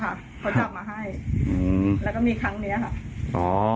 เขาจับมาให้อืมแล้วก็มีครั้งเนี้ยค่ะอ๋อ